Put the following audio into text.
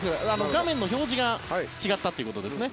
画面の表示が違ったということですね。